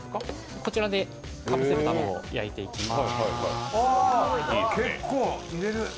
こちらでかぶせる卵を焼いていきます。